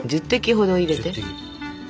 １０滴ほど入れて。